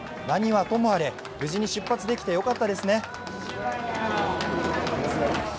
何はともあれ無事に出発できて、よかったですね